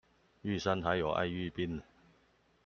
玉山還有愛玉冰